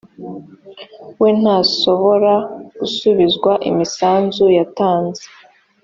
we ntasobora gusubizwa imisanzu yatanze